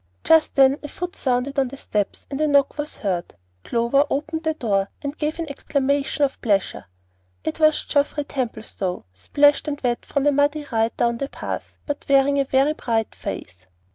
Just then a foot sounded on the steps, and a knock was heard. Clover opened the door, and gave an exclamation of pleasure. It was Geoffrey Templestowe, splashed and wet from a muddy ride down the pass, but wearing a very bright face.